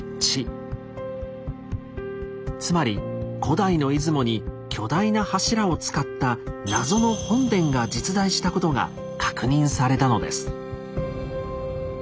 つまり古代の出雲に巨大な柱を使った「謎の本殿」が実在したことが確認されたのです。